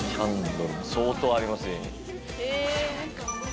相当あります家に。